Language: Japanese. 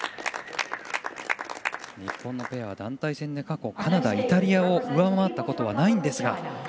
日本のペアは団体戦で過去、カナダとイタリアを上回ったことはないんですが。